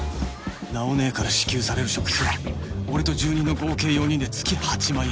ナオ姉から支給される食費は俺と住人の合計４人で月８万円